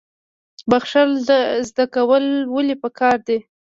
بخښل زده کول ولې پکار دي؟